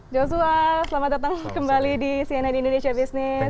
joshua selamat datang kembali di cnn indonesia business